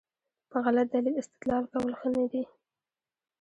په غلط دلیل استدلال کول ښه نه دي.